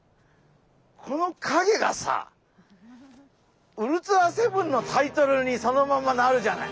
このかげがさ「ウルトラセブン」のタイトルにそのままなるじゃない。